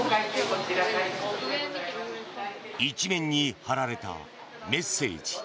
一面に貼られたメッセージ。